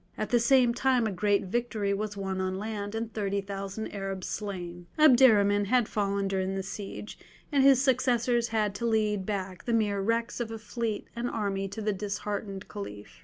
At the same time a great victory was won on land and thirty thousand Arabs slain. Abderrahman had fallen during the siege, and his successors had to lead back the mere wrecks of a fleet and army to the disheartened Caliph.